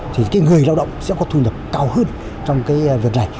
thì cái người lao động sẽ có thu nhập cao hơn trong cái việc này